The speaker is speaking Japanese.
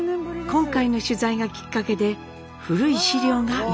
今回の取材がきっかけで古い資料が見つかりました。